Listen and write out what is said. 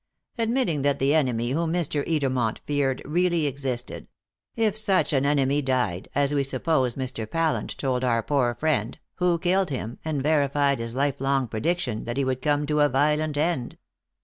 Admitting that the enemy whom Mr. Edermont feared really existed: if such enemy died, as we suppose Mr. Pallant told our poor friend, who killed him, and verified his lifelong prediction that he would come to a violent end?"